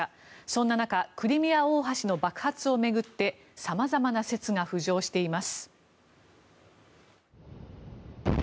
そんな中クリミア大橋の爆発を巡ってさまざまな説が浮上しています。